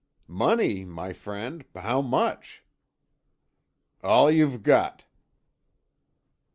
"Money, my friend! How much?" "All you've got."